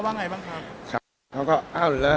เขาก็เอาแล้วหัวเราะฮ่าอะไรเนี่ย